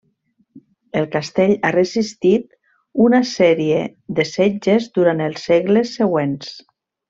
El castell ha resistit una sèrie de setges durant els segles següents.